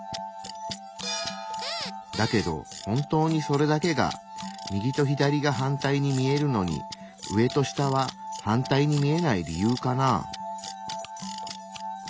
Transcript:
だけど本当にそれだけが右と左が反対に見えるのに上と下は反対に見えない理由かなあ？